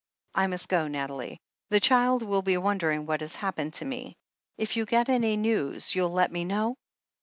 "I must go, Nathalie. The child will be wondering what has happened to me. If you get any news, you'll let me know?"